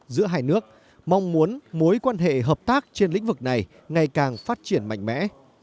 giữa hai nước mong muốn mối quan hệ hợp tác trên lĩnh vực này ngày càng phát triển mạnh mẽ